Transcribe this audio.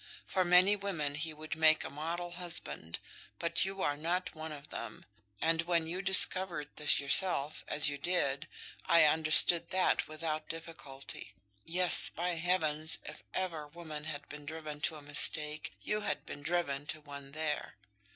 For many women he would make a model husband, but you are not one of them. And when you discovered this yourself, as you did, I understood that without difficulty. Yes, by heavens! if ever woman had been driven to a mistake, you had been driven to one there."